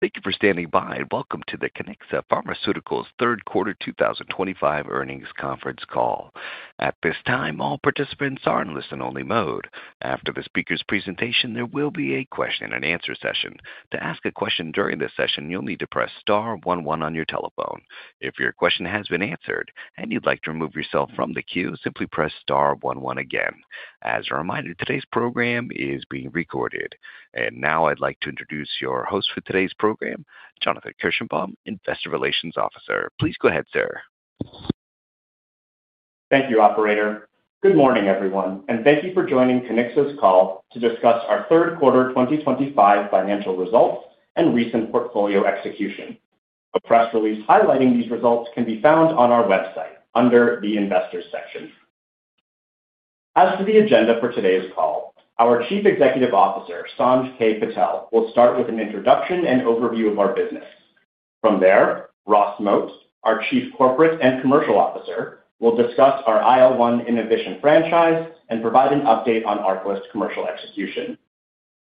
Thank you for standing by and welcome to the Kiniksa Pharmaceuticals Third Quarter 2025 Earnings Conference Call. At this time, all participants are in listen-only mode. After the speaker's presentation, there will be a question and answer session. To ask a question during this session, you'll need to press star one one on your telephone. If your question has been answered and you'd like to remove yourself from the queue, simply press star one one again. As a reminder, today's program is being recorded. Now I'd like to introduce your host for today's program, Jonathan Kirshenbaum, Investor Relations Officer. Please go ahead, sir. Thank you, Operator. Good morning, everyone, and thank you for joining Kiniksa's call to discuss our third quarter 2025 financial results and recent portfolio execution. A press release highlighting these results can be found on our website under the Investors section. As for the agenda for today's call, our Chief Executive Officer, Sanj K. Patel, will start with an introduction and overview of our business. From there, Ross Moat, our Chief Corporate and Commercial Officer, will discuss our IL-1 Innovation franchise and provide an update on our first commercial execution.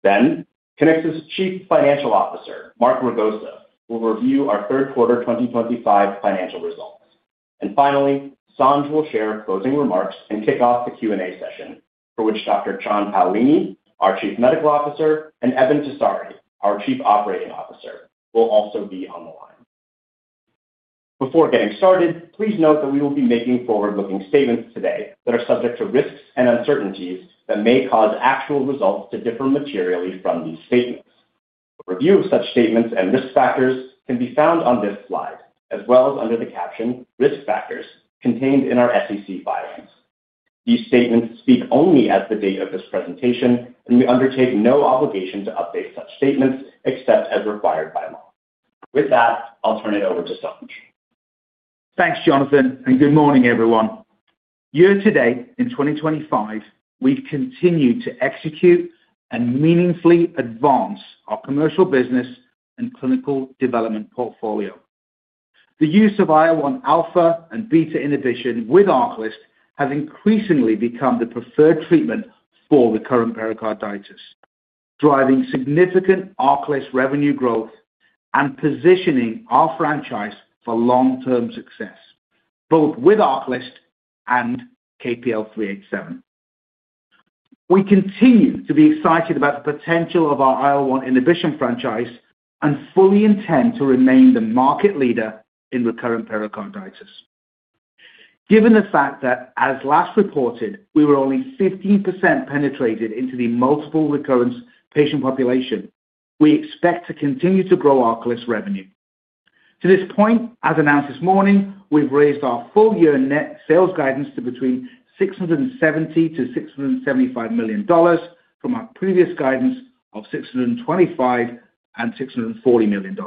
Kiniksa's Chief Financial Officer, Mark Ragosa, will review our third quarter 2025 financial results. Finally, Sanj will share closing remarks and kick off the Q&A session, for which Dr. John Paolini, our Chief Medical Officer, and Eben Tessari, our Chief Operating Officer, will also be on the line. Before getting started, please note that we will be making forward-looking statements today that are subject to risks and uncertainties that may cause actual results to differ materially from these statements. A review of such statements and risk factors can be found on this slide, as well as under the caption "Risk Factors" contained in our SEC filings. These statements speak only as of the date of this presentation, and we undertake no obligation to update such statements except as required by law. With that, I'll turn it over to Sanj. Thanks, Jonathan, and good morning, everyone. Year-to-date in 2025, we've continued to execute and meaningfully advance our commercial business and clinical development portfolio. The use of IL-1α and IL-1β inhibition with ARCALYST has increasingly become the preferred treatment for recurrent pericarditis, driving significant ARCALYST revenue growth and positioning our franchise for long-term success, both with ARCALYST and KPL-387. We continue to be excited about the potential of our IL-1 inhibition franchise and fully intend to remain the market leader in recurrent pericarditis. Given the fact that, as last reported, we were only 15% penetrated into the multiple recurrence patient population, we expect to continue to grow ARCALYST revenue. To this point, as announced this morning, we've raised our full-year net sales guidance to between $670 million to $675 million from our previous guidance of $625 million and $640 million.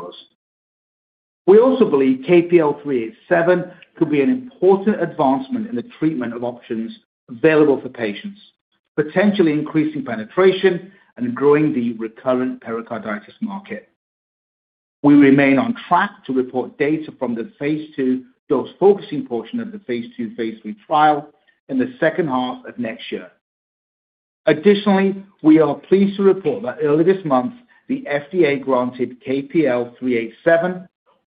We also believe KPL-387 could be an important advancement in the treatment options available for patients, potentially increasing penetration and growing the recurrent pericarditis market. We remain on track to report data from the phase 2 dose-focusing portion of the phase 2/3 trial in the second half of next year. Additionally, we are pleased to report that early this month, the FDA granted KPL-387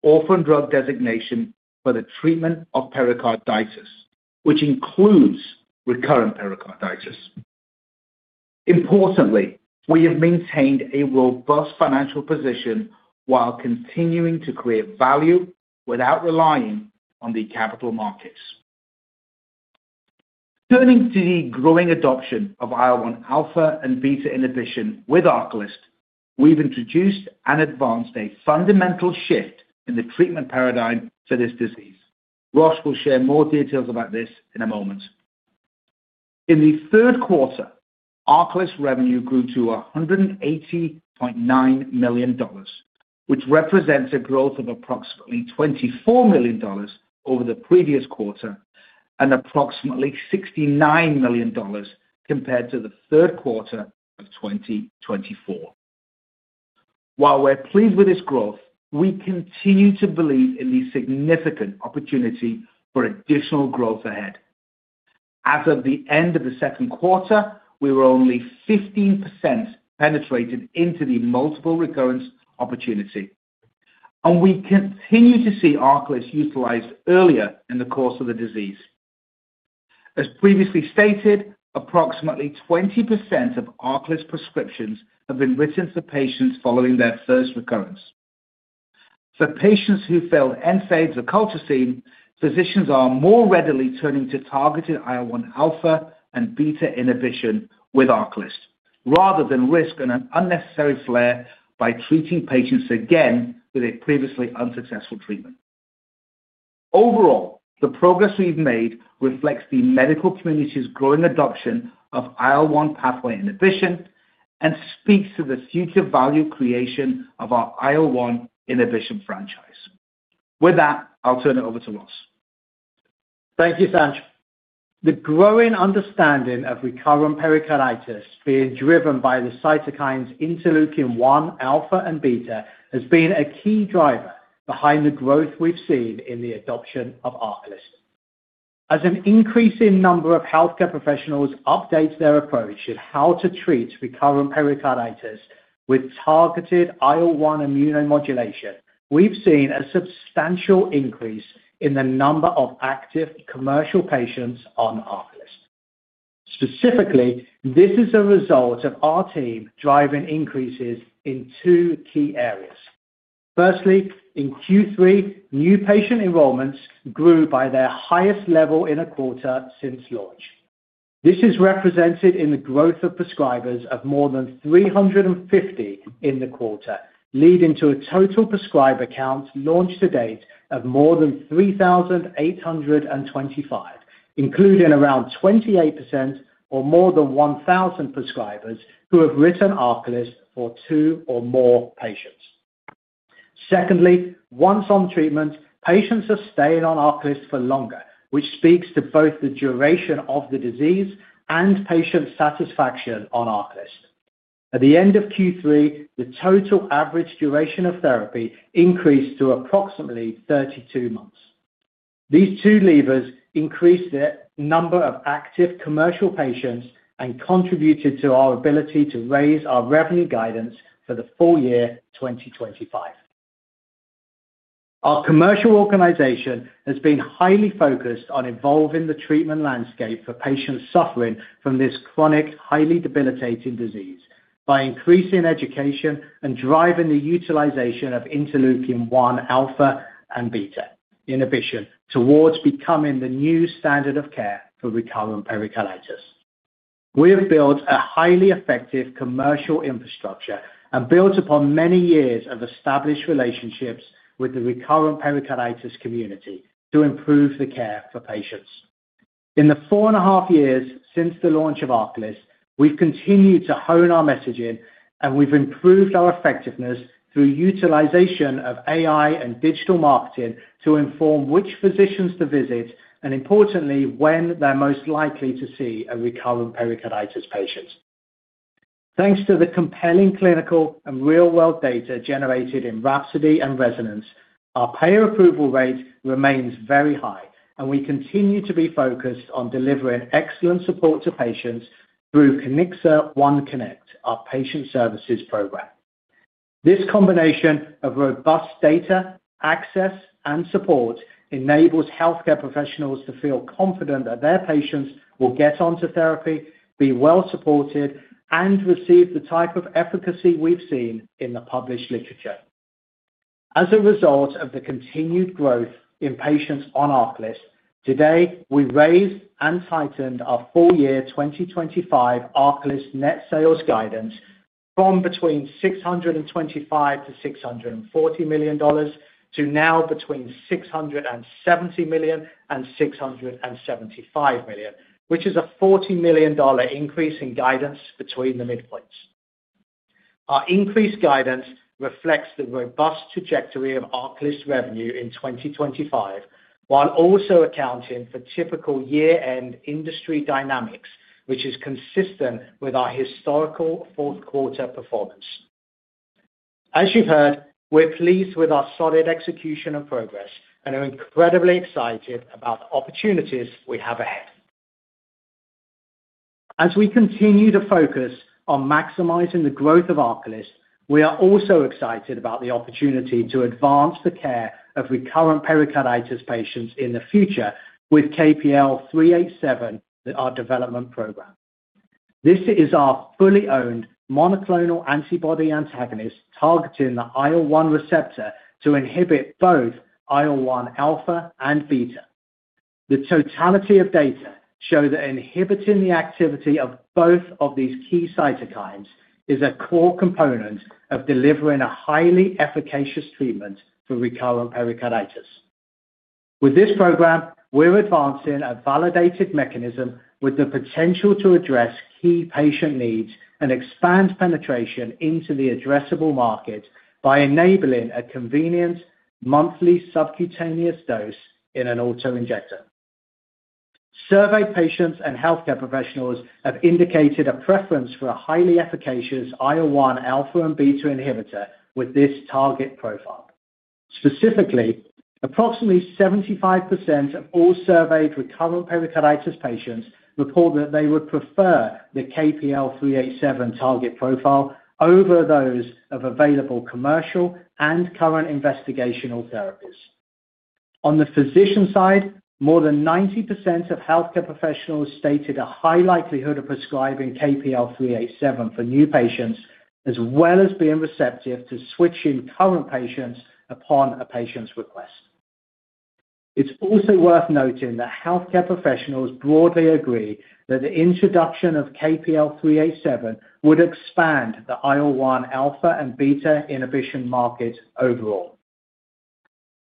orphan drug designation for the treatment of pericarditis, which includes recurrent pericarditis. Importantly, we have maintained a robust financial position while continuing to create value without relying on the capital markets. Turning to the growing adoption of IL-1α and IL-1β inhibition with ARCALYST, we've introduced and advanced a fundamental shift in the treatment paradigm for this disease. Ross will share more details about this in a moment. In the third quarter, ARCALYST revenue grew to $180.9 million, which represents a growth of approximately $24 million over the previous quarter and approximately $69 million compared to the third quarter of 2024. While we're pleased with this growth, we continue to believe in the significant opportunity for additional growth ahead. As of the end of the second quarter, we were only 15% penetrated into the multiple recurrence opportunity, and we continue to see ARCALYST utilized earlier in the course of the disease. As previously stated, approximately 20% of ARCALYST prescriptions have been written for patients following their first recurrence. For patients who failed NSAIDs or colchicine, physicians are more readily turning to targeted dual IL-1α and IL-1β inhibition with ARCALYST, rather than risk an unnecessary flare by treating patients again with a previously unsuccessful treatment. Overall, the progress we've made reflects the medical community's growing adoption of IL-1 pathway inhibition and speaks to the future value creation of our IL-1 inhibition franchise. With that, I'll turn it over to Ross. Thank you, Sanj. The growing understanding of recurrent pericarditis, being driven by the cytokines interleukin-1α and interleukin-1β, has been a key driver behind the growth we've seen in the adoption of ARCALYST. As an increasing number of healthcare professionals update their approach in how to treat recurrent pericarditis with targeted IL-1 immunomodulation, we've seen a substantial increase in the number of active commercial patients on ARCALYST. Specifically, this is a result of our team driving increases in two key areas. Firstly, in Q3, new patient enrollments grew by their highest level in a quarter since launch. This is represented in the growth of prescribers of more than 350 in the quarter, leading to a total prescriber count launched to date of more than 3,825, including around 28% or more than 1,000 prescribers who have written ARCALYST for two or more patients. Secondly, once on treatment, patients are staying on ARCALYST for longer, which speaks to both the duration of the disease and patient satisfaction on ARCALYST. At the end of Q3, the total average duration of therapy increased to approximately 32 months. These two levers increased the number of active commercial patients and contributed to our ability to raise our revenue guidance for the full year 2025. Our commercial organization has been highly focused on evolving the treatment landscape for patients suffering from this chronic, highly debilitating disease by increasing education and driving the utilization of interleukin-1α and interleukin-1β inhibition towards becoming the new standard of care for recurrent pericarditis. We have built a highly effective commercial infrastructure and built upon many years of established relationships with the recurrent pericarditis community to improve the care for patients. In the four and a half years since the launch of ARCALYST, we've continued to hone our messaging, and we've improved our effectiveness through utilization of AI and digital marketing to inform which physicians to visit and, importantly, when they're most likely to see a recurrent pericarditis patient. Thanks to the compelling clinical and real-world data generated in Rhapsody and Resonance, our payer approval rate remains very high, and we continue to be focused on delivering excellent support to patients through Kiniksa One Connect, our patient services program. This combination of robust data, access, and support enables healthcare professionals to feel confident that their patients will get onto therapy, be well-supported, and receive the type of efficacy we've seen in the published literature. As a result of the continued growth in patients on ARCALYST, today we raised and tightened our full-year 2025 ARCALYST net sales guidance from between $625 million to $640 million to now between $670 million and $675 million, which is a $40 million increase in guidance between the midpoints. Our increased guidance reflects the robust trajectory of ARCALYST revenue in 2025, while also accounting for typical year-end industry dynamics, which is consistent with our historical fourth quarter performance. As you've heard, we're pleased with our solid execution and progress and are incredibly excited about the opportunities we have ahead. As we continue to focus on maximizing the growth of ARCALYST, we are also excited about the opportunity to advance the care of recurrent pericarditis patients in the future with KPL-387, our development program. This is our fully owned monoclonal antibody antagonist targeting the IL-1 receptor to inhibit both IL-1α and IL-1β. The totality of data shows that inhibiting the activity of both of these key cytokines is a core component of delivering a highly efficacious treatment for recurrent pericarditis. With this program, we're advancing a validated mechanism with the potential to address key patient needs and expand penetration into the addressable market by enabling a convenient monthly subcutaneous dose in an autoinjector. Surveyed patients and healthcare professionals have indicated a preference for a highly efficacious IL-1α and IL-1β inhibitor with this target profile. Specifically, approximately 75% of all surveyed recurrent pericarditis patients report that they would prefer the KPL-387 target profile over those of available commercial and current investigational therapies. On the physician side, more than 90% of healthcare professionals stated a high likelihood of prescribing KPL-387 for new patients, as well as being receptive to switching current patients upon a patient's request. It's also worth noting that healthcare professionals broadly agree that the introduction of KPL-387 would expand the IL-1α and IL-1β inhibition market overall.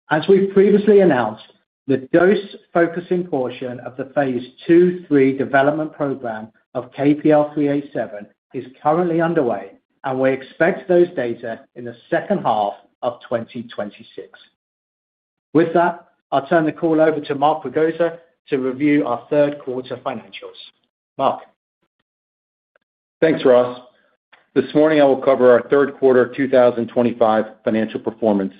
As we've previously announced, the dose-focusing portion of the phase 2/3 development program of KPL-387 is currently underway, and we expect those data in the second half of 2026. With that, I'll turn the call over to Mark Ragosa to review our third quarter financials. Mark. Thanks, Ross. This morning, I will cover our third quarter 2025 financial performance.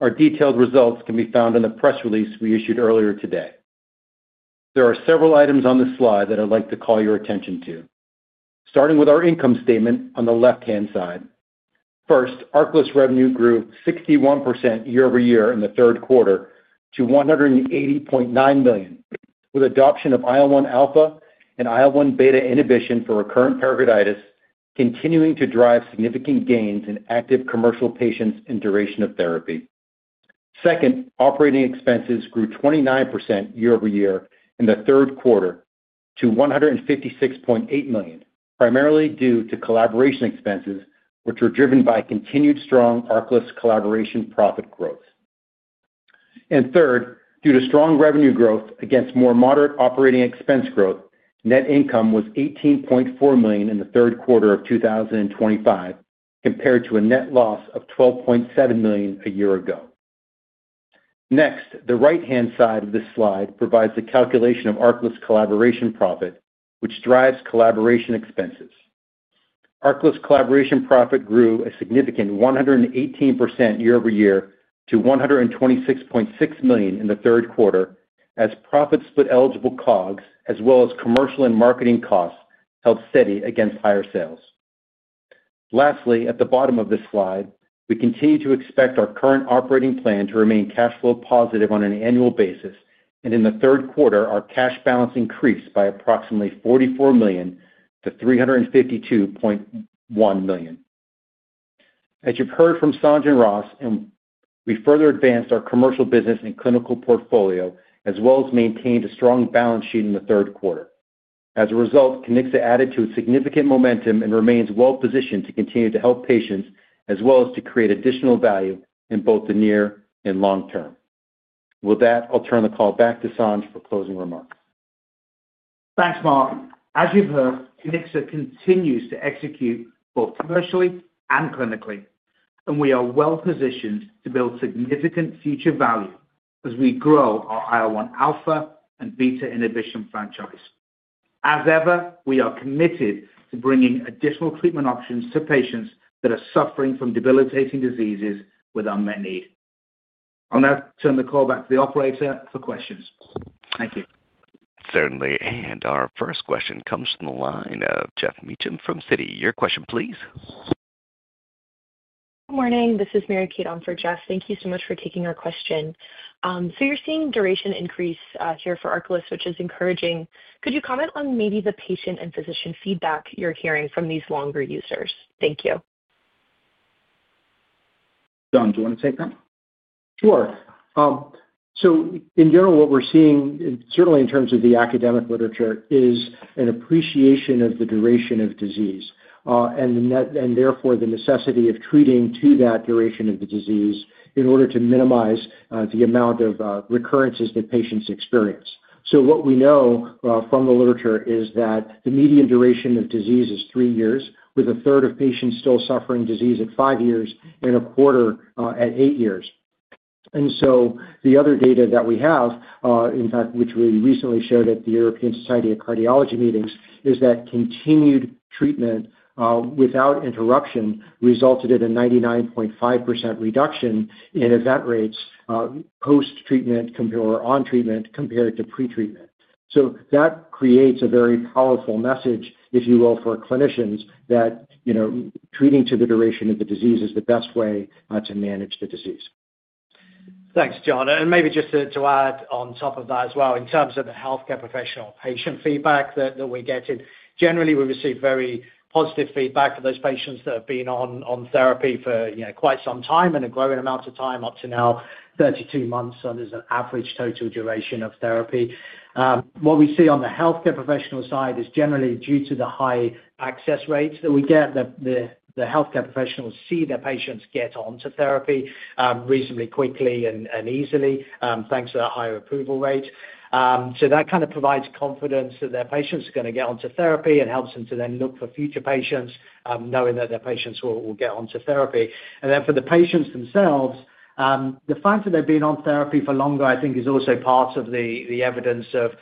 Our detailed results can be found in the press release we issued earlier today. There are several items on this slide that I'd like to call your attention to, starting with our income statement on the left-hand side. First, ARCALYST revenue grew 61% year-over-year in the third quarter to $180.9 million, with adoption of IL-1α and IL-1β inhibition for recurrent pericarditis continuing to drive significant gains in active commercial patients and duration of therapy. Second, operating expenses grew 29% year-over-year in the third quarter to $156.8 million, primarily due to collaboration expenses, which were driven by continued strong ARCALYST collaboration profit growth. Third, due to strong revenue growth against more moderate operating expense growth, net income was $18.4 million in the third quarter of 2025, compared to a net loss of $12.7 million a year ago. The right-hand side of this slide provides the calculation of ARCALYST collaboration profit, which drives collaboration expenses. ARCALYST collaboration profit grew a significant 118% year-over-year to $126.6 million in the third quarter, as profit split eligible COGS, as well as commercial and marketing costs, held steady against higher sales. Lastly, at the bottom of this slide, we continue to expect our current operating plan to remain cash flow positive on an annual basis, and in the third quarter, our cash balance increased by approximately $44 million to $352.1 million. As you've heard from Sanj and Ross, we further advanced our commercial business and clinical portfolio, as well as maintained a strong balance sheet in the third quarter. As a result, Kiniksa added to its significant momentum and remains well-positioned to continue to help patients, as well as to create additional value in both the near and long term. With that, I'll turn the call back to Sanj for closing remarks. Thanks, Mark. As you've heard, Kiniksa continues to execute both commercially and clinically, and we are well-positioned to build significant future value as we grow our IL-1α and IL-1β inhibition franchise. As ever, we are committed to bringing additional treatment options to patients that are suffering from debilitating diseases with unmet need. I'll now turn the call back to the operator for questions. Thank you. Certainly. Our first question comes from the line of Geoff Meacham from Citi. Your question, please. Morning. This is Mary Kate on for Geoff. Thank you so much for taking our question. You're seeing duration increase here for ARCALYST, which is encouraging. Could you comment on maybe the patient and physician feedback you're hearing from these longer users? Thank you. John, do you want to take that? Sure. In general, what we're seeing, certainly in terms of the academic literature, is an appreciation of the duration of disease, and therefore the necessity of treating to that duration of the disease in order to minimize the amount of recurrences that patients experience. What we know from the literature is that the median duration of disease is three years, with a third of patients still suffering disease at five years and a quarter at eight years. The other data that we have, in fact, which we recently shared at the European Society of Cardiology meetings, is that continued treatment without interruption resulted in a 99.5% reduction in event rates post-treatment or on treatment compared to pre-treatment. That creates a very powerful message, if you will, for clinicians that treating to the duration of the disease is the best way to manage the disease. Thanks, John. Maybe just to add on top of that as well, in terms of the healthcare professional patient feedback that we're getting, generally, we receive very positive feedback for those patients that have been on therapy for quite some time and a growing amount of time up to now, 32 months on an average total duration of therapy. What we see on the healthcare professional side is generally due to the high access rates that we get, that the healthcare professionals see their patients get onto therapy reasonably quickly and easily thanks to the higher approval rate. That kind of provides confidence that their patients are going to get onto therapy and helps them to then look for future patients, knowing that their patients will get onto therapy. For the patients themselves, the fact that they've been on therapy for longer, I think, is also part of the evidence of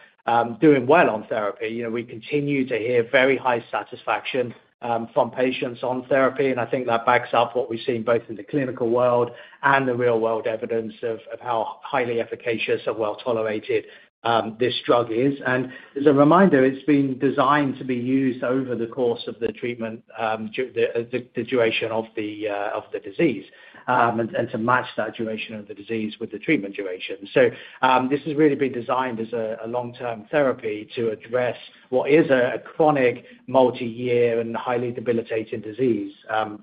doing well on therapy. We continue to hear very high satisfaction from patients on therapy, and I think that backs up what we've seen both in the clinical world and the real-world evidence of how highly efficacious and well-tolerated this drug is. As a reminder, it's been designed to be used over the course of the treatment, the duration of the disease, and to match that duration of the disease with the treatment duration. This has really been designed as a long-term therapy to address what is a chronic multi-year and highly debilitating disease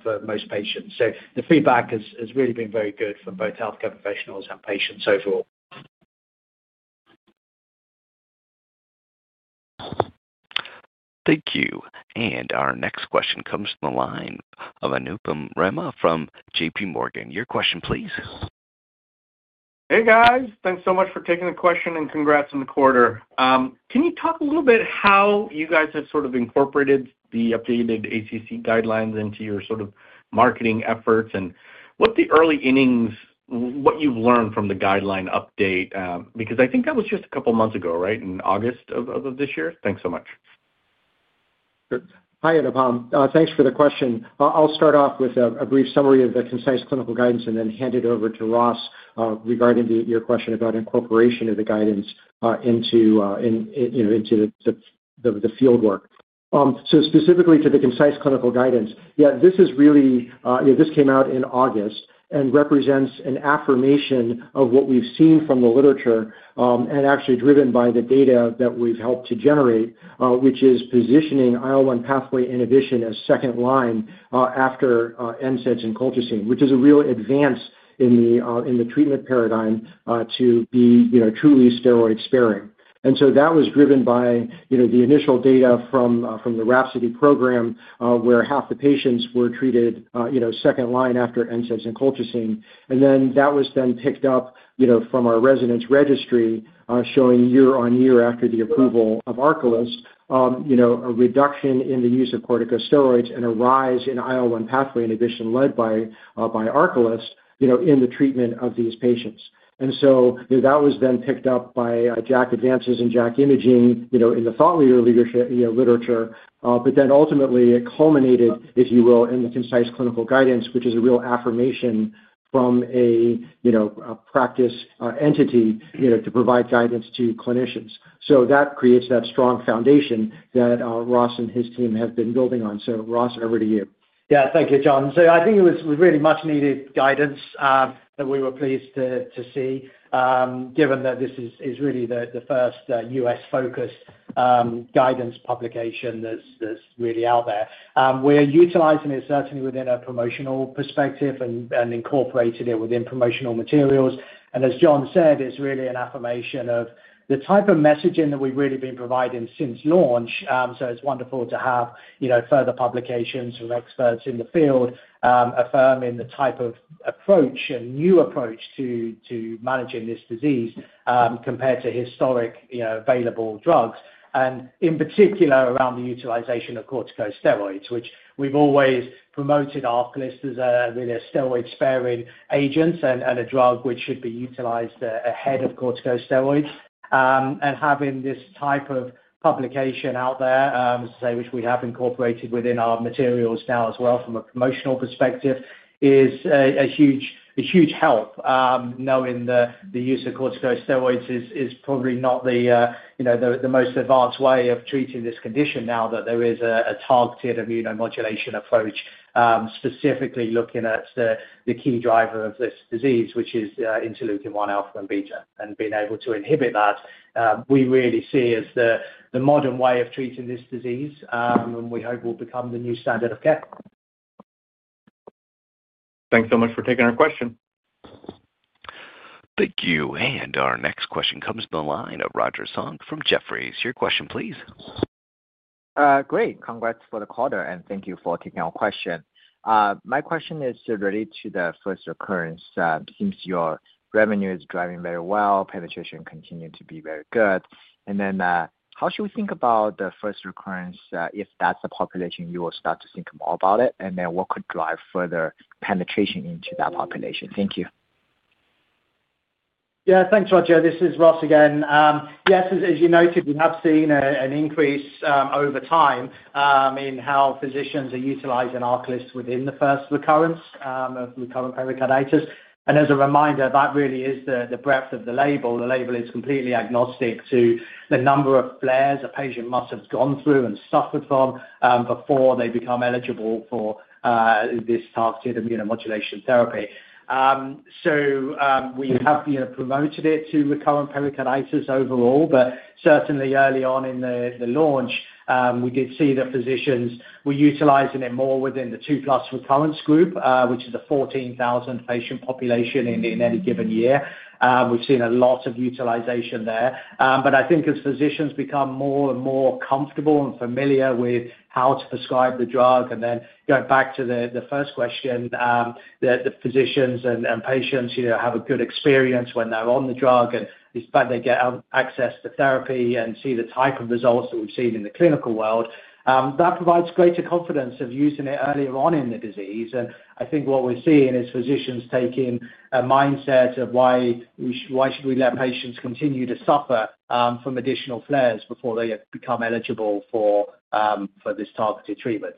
for most patients. The feedback has really been very good from both healthcare professionals and patients overall. Thank you. Our next question comes from the line of Anupam Rama from JPMorgan. Your question, please. Hey, guys. Thanks so much for taking the question and congrats on the quarter. Can you talk a little bit about how you guys have incorporated the updated ACC guidelines into your marketing efforts and what the early innings, what you've learned from the guideline update? I think that was just a couple of months ago, right, in August of this year? Thanks so much. Hi, Anupam. Thanks for the question. I'll start off with a brief summary of the concise clinical guidance and then hand it over to Ross regarding your question about incorporation of the guidance into the fieldwork. Specifically to the concise clinical guidance, this is really, you know, this came out in August and represents an affirmation of what we've seen from the literature and actually driven by the data that we've helped to generate, which is positioning IL-1 pathway inhibition as second line after NSAIDs and colchicine, which is a real advance in the treatment paradigm to be truly steroid-sparing. That was driven by the initial data from the Rhapsody study, where half the patients were treated second line after NSAIDs and colchicine. That was then picked up from our Resonance registry showing year-on-year after the approval of ARCALYST, a reduction in the use of corticosteroids and a rise in IL-1 pathway inhibition led by ARCALYST in the treatment of these patients. That was then picked up by JACC Advances and JACC Imaging in the thought leader literature. Ultimately, it culminated, if you will, in the concise clinical guidance, which is a real affirmation from a practice entity to provide guidance to clinicians. That creates that strong foundation that Ross and his team have been building on. Ross, over to you. Thank you, John. I think it was really much-needed guidance that we were pleased to see, given that this is really the first U.S.-focused guidance publication that's really out there. We're utilizing it certainly within a promotional perspective and incorporating it within promotional materials. As John said, it's really an affirmation of the type of messaging that we've really been providing since launch. It's wonderful to have further publications from experts in the field affirming the type of approach and new approach to managing this disease compared to historic available drugs, and in particular around the utilization of corticosteroids, which we've always promoted ARCALYST as a really steroid-sparing agent and a drug which should be utilized ahead of corticosteroids. Having this type of publication out there, which we have incorporated within our materials now as well from a promotional perspective, is a huge help, knowing that the use of corticosteroids is probably not the most advanced way of treating this condition now that there is a targeted immunomodulation approach, specifically looking at the key driver of this disease, which is interleukin-1 alpha and beta, and being able to inhibit that. We really see as the modern way of treating this disease, and we hope will become the new standard of care. Thanks so much for taking our question. Thank you. Our next question comes from the line of Roger Song from Jefferies. Your question, please. Great. Congrats for the quarter, and thank you for taking our question. My question is related to the first occurrence. Since your revenue is driving very well, penetration continues to be very good. How should we think about the first occurrence if that's the population you will start to think more about? What could drive further penetration into that population? Thank you. Yeah. Thanks, Roger. This is Ross again. Yes, as you noted, we have seen an increase over time in how physicians are utilizing ARCALYST within the first recurrence of recurrent pericarditis. As a reminder, that really is the breadth of the label. The label is completely agnostic to the number of flares a patient must have gone through and suffered from before they become eligible for this targeted immunomodulation therapy. We have promoted it to recurrent pericarditis overall. Certainly, early on in the launch, we did see the physicians were utilizing it more within the two-plus recurrence group, which is the 14,000 patient population in any given year. We've seen a lot of utilization there. I think as physicians become more and more comfortable and familiar with how to prescribe the drug, and then going back to the first question, that the physicians and patients have a good experience when they're on the drug, and in fact, they get access to therapy and see the type of results that we've seen in the clinical world, that provides greater confidence of using it earlier on in the disease. I think what we're seeing is physicians taking a mindset of why should we let patients continue to suffer from additional flares before they become eligible for this targeted treatment.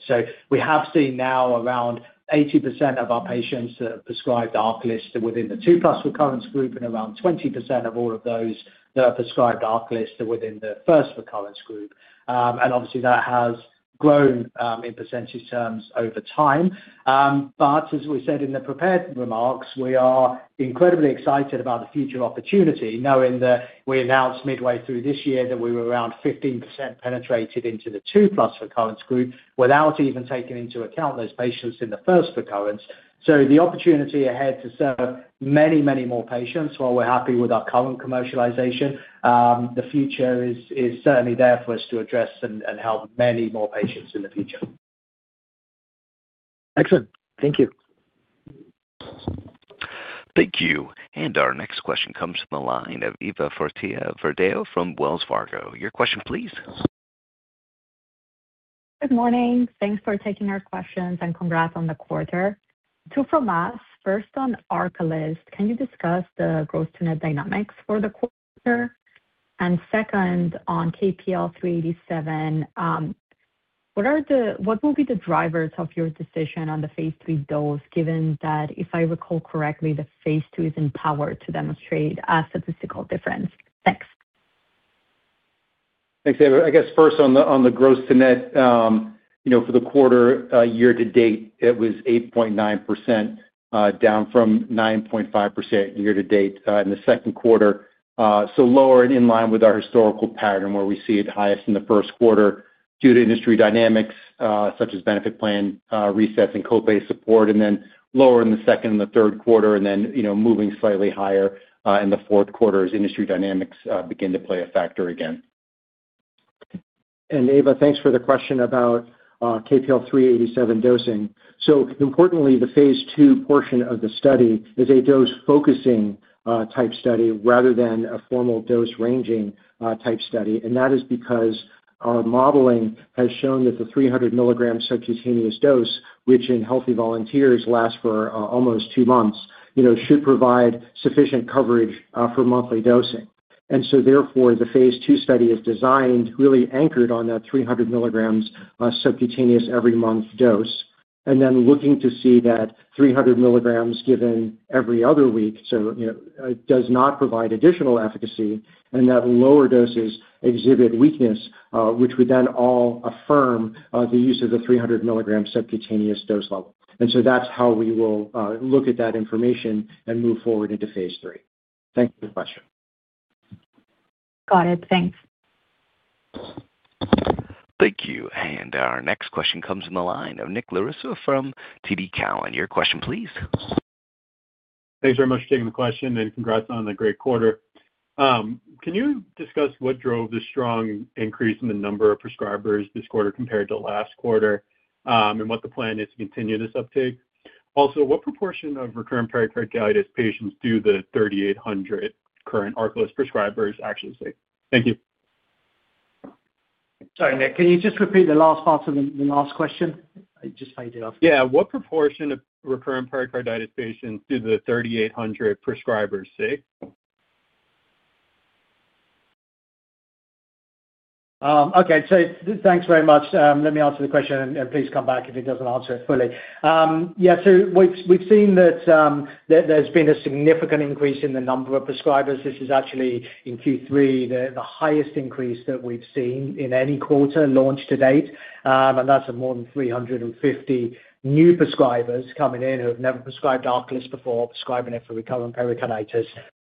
We have seen now around 80% of our patients that are prescribed ARCALYST within the two-plus recurrence group, and around 20% of all of those that are prescribed ARCALYST within the first recurrence group. Obviously, that has grown in percentage terms over time. As we said in the prepared remarks, we are incredibly excited about the future opportunity, knowing that we announced midway through this year that we were around 15% penetrated into the two-plus recurrence group without even taking into account those patients in the first recurrence. The opportunity ahead to serve many, many more patients, while we're happy with our current commercialization, the future is certainly there for us to address and help many more patients in the future. Excellent. Thank you. Thank you. Our next question comes from the line of Eva Fortea-Verdejo from Wells Fargo. Your question, please. Good morning. Thanks for taking our questions and congrats on the quarter. Two from us. First, on ARCALYST, can you discuss the growth dynamics for the quarter? Second, on KPL-387, what will be the drivers of your decision on the phase 3 dose, given that, if I recall correctly, the phase 2 is powered to demonstrate a statistical difference? Thanks. Thanks, Eva. I guess first on the growth to net, for the quarter year to date, it was 8.9% down from 9.5% year to date in the second quarter. It was lower and in line with our historical pattern where we see it highest in the first quarter due to industry dynamics such as benefit plan resets and copay support, and then lower in the second and the third quarter, and then moving slightly higher in the fourth quarter as industry dynamics begin to play a factor again. Eva, thanks for the question about KPL-387 dosing. Importantly, the phase 2 portion of the study is a dose-focusing type study rather than a formal dose-ranging type study. That is because our modeling has shown that the 300 mg subcutaneous dose, which in healthy volunteers lasts for almost two months, should provide sufficient coverage for monthly dosing. Therefore, the phase 2 study is designed really anchored on that 300 mg subcutaneous every month dose, and then looking to see that 300 mg given every other week does not provide additional efficacy, and that lower doses exhibit weakness, which would then all affirm the use of the 300 mg subcutaneous dose level. That is how we will look at that information and move forward into phase 3. Thank you for the question. Got it. Thanks. Thank you. Our next question comes from the line of Nick Larissa from TD Cowen. Your question, please. Thanks very much for taking the question and congrats on the great quarter. Can you discuss what drove the strong increase in the number of prescribers this quarter compared to last quarter, and what the plan is to continue this uptake? Also, what proportion of recurrent pericarditis patients do the 3,800 current ARCALYST prescribers actually see? Thank you. Sorry, Nick. Can you just repeat the last part of the last question? I just paid you off. Yeah. What proportion of recurrent pericarditis patients do the 3,800 prescribers see? Okay. Thanks very much. Let me answer the question, and please come back if it doesn't answer it fully. Yeah. We've seen that there's been a significant increase in the number of prescribers. This is actually in Q3, the highest increase that we've seen in any quarter launched to date. That's more than 350 new prescribers coming in who have never prescribed ARCALYST before, prescribing it for recurrent pericarditis.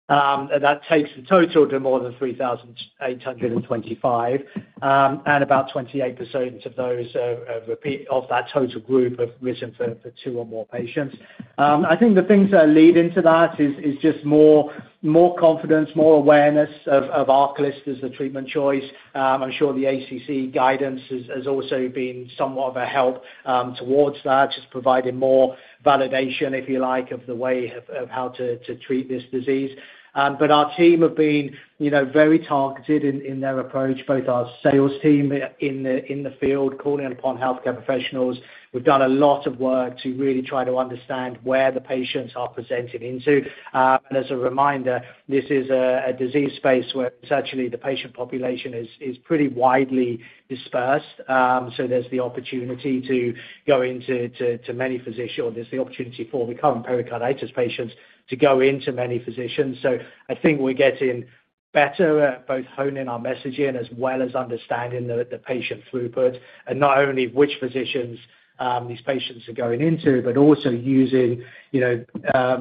That takes the total to more than 3,825. About 28% of that total group have written for two or more patients. I think the things that lead into that is just more confidence, more awareness of ARCALYST as the treatment choice. I'm sure the ACC guidance has also been somewhat of a help towards that, just providing more validation, if you like, of the way of how to treat this disease. Our team have been very targeted in their approach, both our sales team in the field calling upon healthcare professionals. We've done a lot of work to really try to understand where the patients are presenting into. As a reminder, this is a disease space where the patient population is pretty widely dispersed. There's the opportunity to go into many physicians, or there's the opportunity for recurrent pericarditis patients to go into many physicians. I think we're getting better at both honing our messaging as well as understanding the patient throughput, and not only which physicians these patients are going into, but also using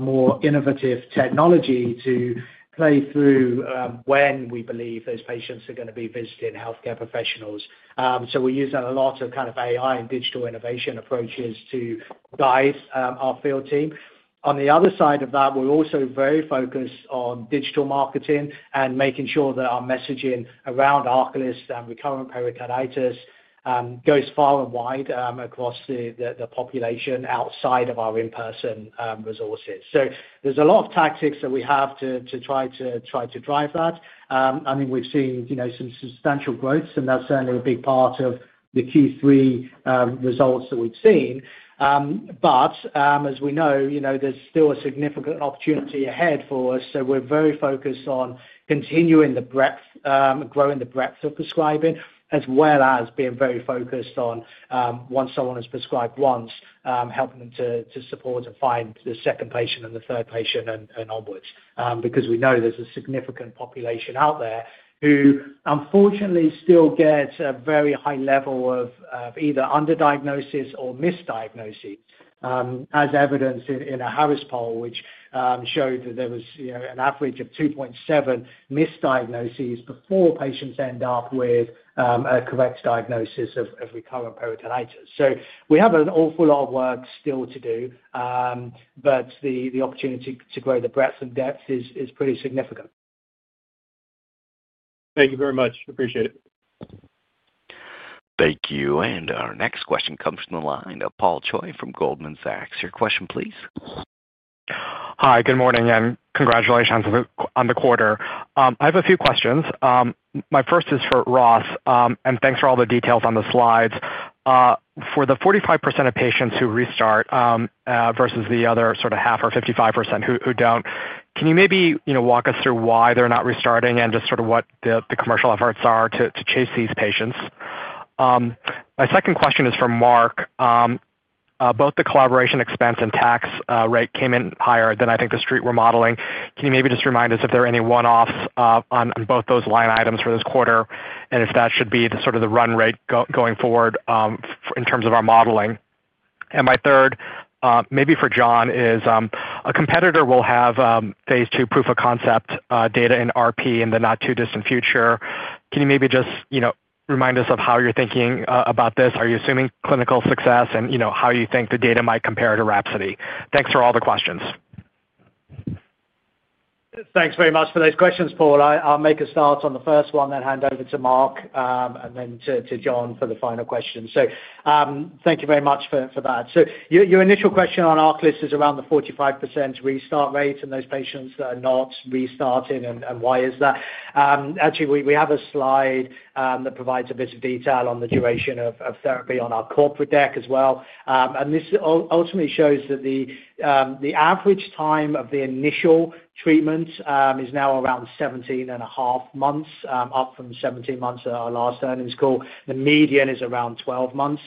more innovative technology to play through when we believe those patients are going to be visiting healthcare professionals. We're using a lot of kind of AI and digital innovation approaches to guide our field team. On the other side of that, we're also very focused on digital marketing and making sure that our messaging around ARCALYST and recurrent pericarditis goes far and wide across the population outside of our in-person resources. There's a lot of tactics that we have to try to drive that. We've seen some substantial growths, and that's certainly a big part of the Q3 results that we've seen. As we know, there's still a significant opportunity ahead for us. We're very focused on continuing the breadth, growing the breadth of prescribing, as well as being very focused on once someone is prescribed once, helping them to support and find the second patient and the third patient and onwards, because we know there's a significant population out there who unfortunately still get a very high level of either underdiagnosis or misdiagnoses, as evidenced in a Harris poll, which showed that there was an average of 2.7 misdiagnoses before patients end up with a correct diagnosis of recurrent pericarditis. We have an awful lot of work still to do, but the opportunity to grow the breadth and depth is pretty significant. Thank you very much. Appreciate it. Thank you. Our next question comes from the line of Paul Choi from Goldman Sachs. Your question, please. Hi. Good morning, and congratulations on the quarter. I have a few questions. My first is for Ross, and thanks for all the details on the slides. For the 45% of patients who restart versus the other sort of half or 55% who don't, can you maybe walk us through why they're not restarting and just sort of what the commercial efforts are to chase these patients? My second question is for Mark. Both the collaboration expense and tax rate came in higher than I think the street were modeling. Can you maybe just remind us if there are any one-offs on both those line items for this quarter and if that should be the sort of the run rate going forward in terms of our modeling? My third, maybe for John, is a competitor will have phase 2 proof of concept data in RP in the not-too-distant future. Can you maybe just remind us of how you're thinking about this? Are you assuming clinical success, and how you think the data might compare to Rhapsody? Thanks for all the questions. Thanks very much for those questions, Paul. I'll make a start on the first one, then hand over to Mark and then to John for the final question. Thank you very much for that. Your initial question on ARCALYST is around the 45% restart rate and those patients that are not restarting and why is that. Actually, we have a slide that provides a bit of detail on the duration of therapy on our corporate deck as well. This ultimately shows that the average time of the initial treatment is now around 17.5 months, up from 17 months at our last earnings call. The median is around 12 months.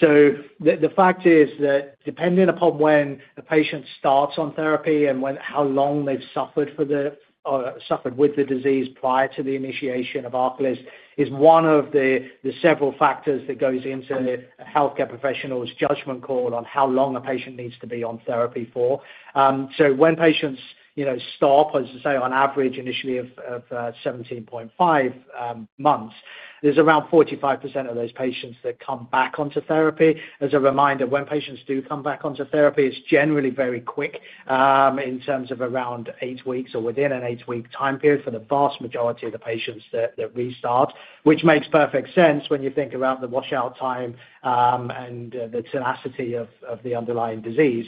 The fact is that depending upon when a patient starts on therapy and how long they've suffered with the disease prior to the initiation of ARCALYST is one of the several factors that goes into a healthcare professional's judgment call on how long a patient needs to be on therapy for. When patients stop, on average initially at 17.5 months, there's around 45% of those patients that come back onto therapy. As a reminder, when patients do come back onto therapy, it's generally very quick in terms of around eight weeks or within an eight-week time period for the vast majority of the patients that restart, which makes perfect sense when you think about the washout time and the tenacity of the underlying disease.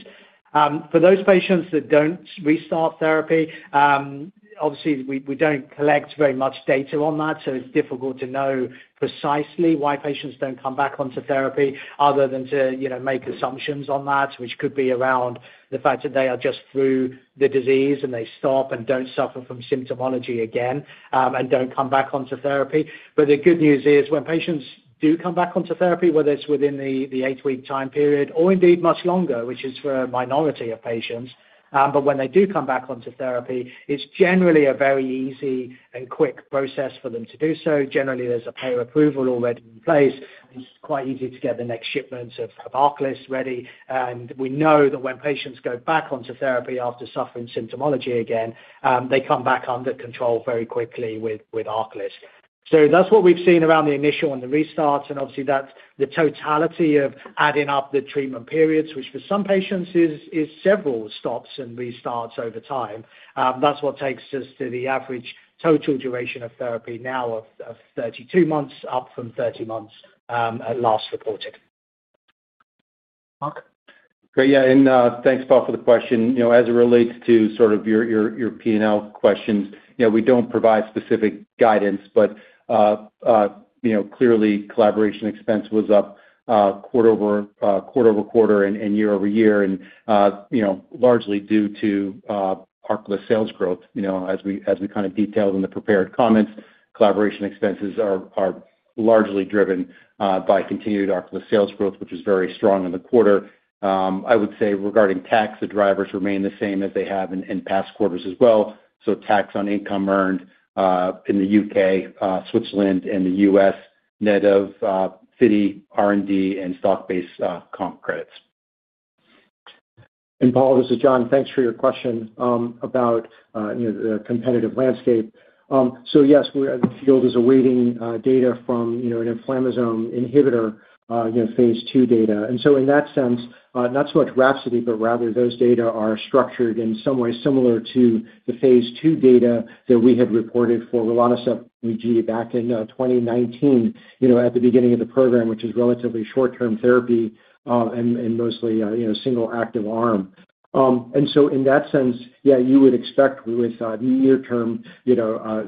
For those patients that don't restart therapy, we don't collect very much data on that. It's difficult to know precisely why patients don't come back onto therapy other than to make assumptions on that, which could be around the fact that they are just through the disease and they stop and don't suffer from symptomology again and don't come back onto therapy. The good news is when patients do come back onto therapy, whether it's within the eight-week time period or indeed much longer, which is for a minority of patients, when they do come back onto therapy, it's generally a very easy and quick process for them to do so. Generally, there's a payer approval already in place. It's quite easy to get the next shipments of ARCALYST ready. We know that when patients go back onto therapy after suffering symptomology again, they come back under control very quickly with ARCALYST. That's what we've seen around the initial and the restarts. That's the totality of adding up the treatment periods, which for some patients is several stops and restarts over time. That takes us to the average total duration of therapy now of 32 months, up from 30 months at last reported. Mark? Great. Yeah. Thanks, Paul, for the question. As it relates to sort of your P&L questions, we don't provide specific guidance, but clearly, collaboration expense was up quarter-over-quarter and year-over-year, and largely due to ARCALYST sales growth. As we kind of detailed in the prepared comments, collaboration expenses are largely driven by continued ARCALYST sales growth, which was very strong in the quarter. I would say regarding tax, the drivers remain the same as they have in past quarters as well. Tax on income earned in the U.K., Switzerland, and the U.S., net of Citi R&D and stock-based comp credits. Paul, this is John. Thanks for your question about the competitive landscape. Yes, the field is awaiting data from an inflammasome inhibitor, phase 2 data. In that sense, not so much Rhapsody, but rather those data are structured in some way similar to the phase 2 data that we had reported for REG back in 2019 at the beginning of the program, which is relatively short-term therapy and mostly single active arm. In that sense, you would expect with near-term,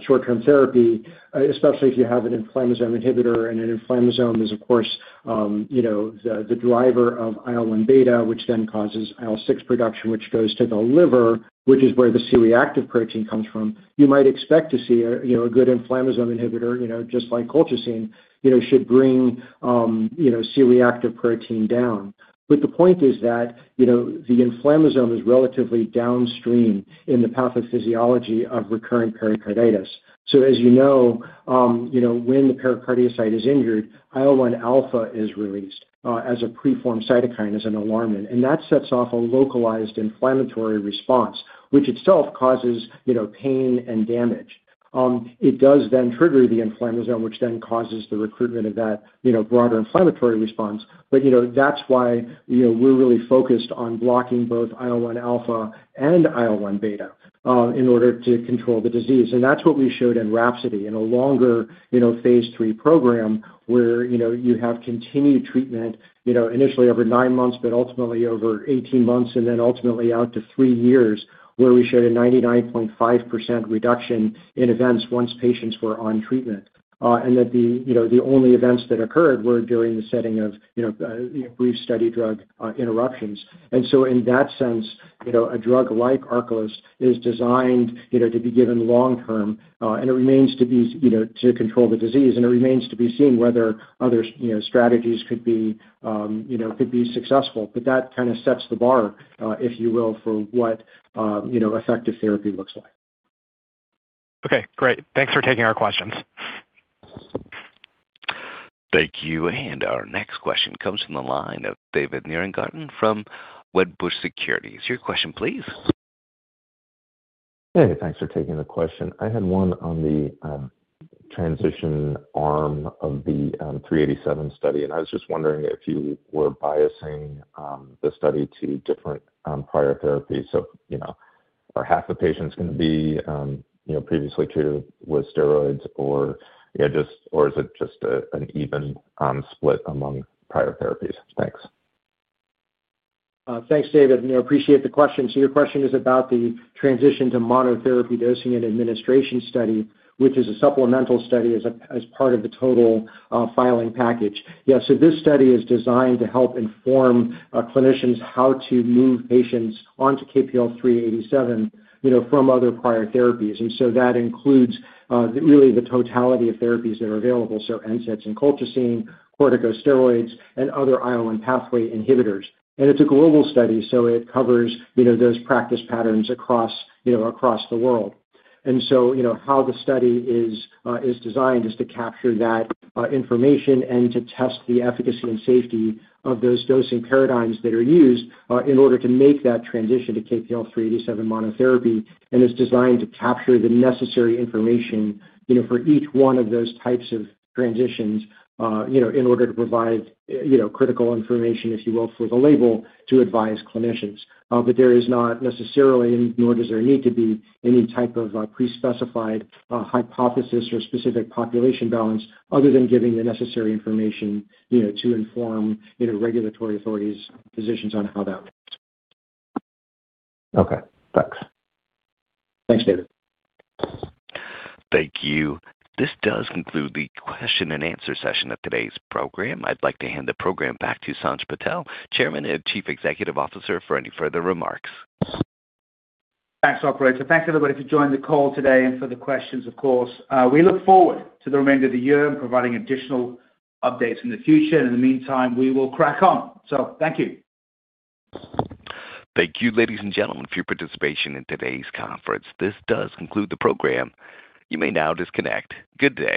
short-term therapy, especially if you have an inflammasome inhibitor, and an inflammasome is, of course, the driver of IL-1β, which then causes IL-6 production, which goes to the liver, which is where the C-reactive protein comes from. You might expect to see a good inflammasome inhibitor, just like colchicine, should bring C-reactive protein down. The point is that the inflammasome is relatively downstream in the pathophysiology of recurrent pericarditis. As you know, when the pericardiocyte is injured, IL-1α is released as a preformed cytokine as an alarmant, and that sets off a localized inflammatory response, which itself causes pain and damage. It does then trigger the inflammasome, which then causes the recruitment of that broader inflammatory response. That is why we're really focused on blocking both IL-1α and IL-1β in order to control the disease. That is what we showed in Rhapsody in a longer phase 3 program where you have continued treatment, initially over nine months, but ultimately over 18 months, and then ultimately out to three years, where we showed a 99.5% reduction in events once patients were on treatment, and that the only events that occurred were during the setting of brief study drug interruptions. In that sense, a drug like ARCALYST is designed to be given long term, and it remains to be seen whether other strategies could be successful. That kind of sets the bar, if you will, for what effective therapy looks like. Okay. Great. Thanks for taking our questions. Thank you. Our next question comes from the line of David Nierengarten from Wedbush Securities. Your question, please. Hey, thanks for taking the question. I had one on the transition arm of the KPL-387 study, and I was just wondering if you were biasing the study to different prior therapies. Are half the patients going to be previously treated with steroids, or is it just an even split among prior therapies? Thanks. Thanks, David. Appreciate the question. Your question is about the transition to monotherapy dosing and administration study, which is a supplemental study as part of the total filing package. This study is designed to help inform clinicians how to move patients onto KPL-387 from other prior therapies. That includes really the totality of therapies that are available, so NSAIDs and colchicine, corticosteroids, and other IL-1 pathway inhibitors. It is a global study, so it covers those practice patterns across the world. The study is designed to capture that information and to test the efficacy and safety of those dosing paradigms that are used in order to make that transition to KPL-387 monotherapy. It is designed to capture the necessary information for each one of those types of transitions in order to provide critical information, if you will, for the label to advise clinicians. There is not necessarily, nor does there need to be, any type of pre-specified hypothesis or specific population balance other than giving the necessary information to inform regulatory authorities' positions on how that works. Okay. Thanks. Thanks, David. Thank you. This does conclude the question and answer session of today's program. I'd like to hand the program back to Sanj Patel, Chairman and Chief Executive Officer, for any further remarks. Thanks, Operator. Thanks, everybody, for joining the call today and for the questions, of course. We look forward to the remainder of the year and providing additional updates in the future. In the meantime, we will crack on. Thank you. Thank you, ladies and gentlemen, for your participation in today's conference. This does conclude the program. You may now disconnect. Good day.